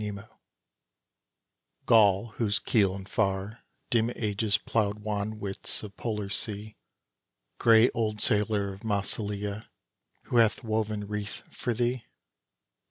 Pytheas Gaul whose keel in far, dim ages ploughed wan widths of polar sea Gray old sailor of Massilia, who hath woven wreath for thee?